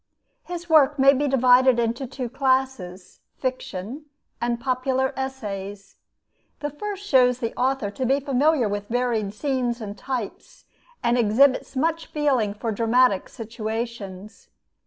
His work may be divided into two classes: fiction and popular essays. The first shows the author to be familiar with varied scenes and types, and exhibits much feeling for dramatic situations.